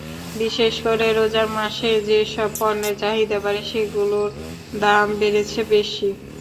বিশেষ করে রোজার মাসে যেসব পণ্যের চাহিদা বাড়ে, সেগুলোর দাম বেড়েছে বেশি।